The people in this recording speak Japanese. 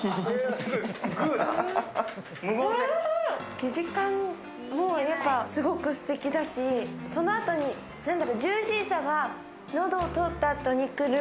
生地感もやっぱりすごくすてきだし、そのあとにジューシーさが喉を通った後に来る。